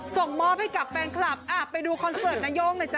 ซ่อมโมส์ด้วยกับแฟนคลาปไปดูคอนเซิร์ตนายโย่งน่าจ๊ะ